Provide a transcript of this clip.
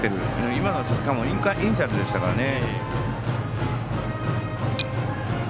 今のはしかもインサイドでしたからね。